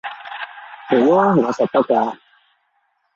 好吖，我實得㗎